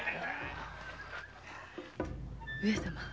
上様。